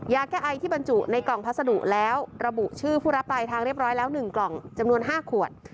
ยาแก้ไอที่บรรจุในกล่องพัสดุแล้วระบุชื่อผู้รับปลายทางเรียบร้อยแล้ว๑กล่องจำนวน๕ขวด